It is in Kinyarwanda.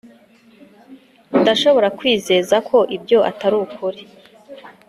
ndashobora kwizeza ko ibyo atari ukuri